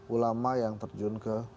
ulama yang terjun ke